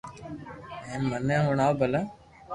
ھين مني ھڻاو ڀلا